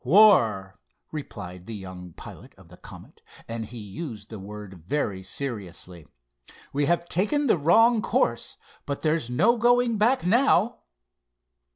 "War," replied the young pilot of the Comet, and he used the word very seriously, "we have taken the wrong course, but there's no going back now."